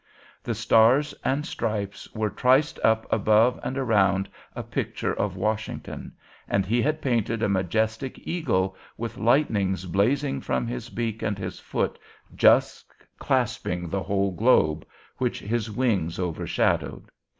The stars and stripes were triced up above and around a picture of Washington, and he had painted a majestic eagle, with lightnings blazing from his beak and his foot just clasping the whole globe, which his wings overshadowed.